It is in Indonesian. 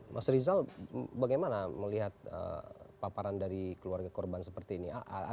mas rizal bagaimana melihat paparan dari keluarga korban seperti ini